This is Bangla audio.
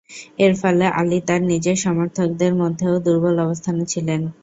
এর ফলে আলী তার নিজের সমর্থকদের মধ্যেও দুর্বল অবস্থানে ছিলেন।